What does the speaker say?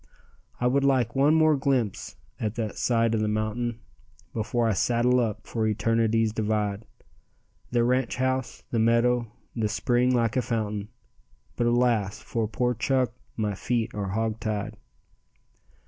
"I would like one more glimpse at the side of the mountain, Before I saddle up for Eternity's divide; The ranch house, the meadow, the spring like a fountain, But, alas for poor Chuck, my feet are hogtied."